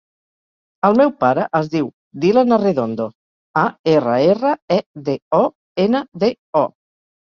El meu pare es diu Dylan Arredondo: a, erra, erra, e, de, o, ena, de, o.